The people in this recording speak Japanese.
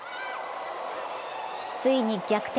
ついに逆転。